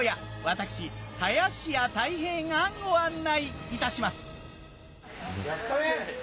私林家たい平がご案内いたします。